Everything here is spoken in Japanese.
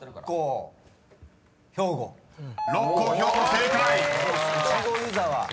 ［正解！］